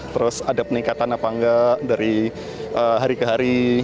terus ada peningkatan apa enggak dari hari ke hari